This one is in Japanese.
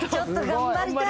頑張りたい。